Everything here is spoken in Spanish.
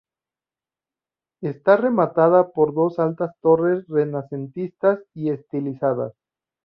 Está rematada por dos altas torres renacentistas y estilizadas.